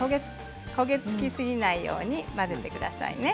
焦げ付きすぎないように混ぜてくださいね。